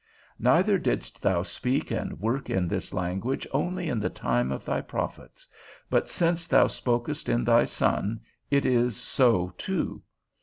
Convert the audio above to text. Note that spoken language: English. Neither didst thou speak and work in this language only in the time of thy prophets; but since thou spokest in thy Son it is so too.